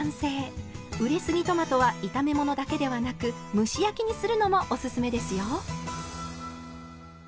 熟れすぎトマトは炒め物だけではなく蒸し焼きにするのもおすすめですよ。